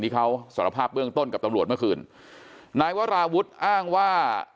ที่เขาสารภาพเบื้องต้นกับตำรวจเมื่อคืนนายวราวุฒิอ้างว่า